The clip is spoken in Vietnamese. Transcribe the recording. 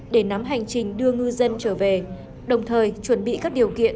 để nắm hành trình đưa ngư dân trở về đồng thời chuẩn bị các điều kiện